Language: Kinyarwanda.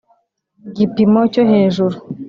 gipimo cyo hejuru